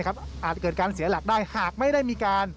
อาจจะเกิดการเสียหลักได้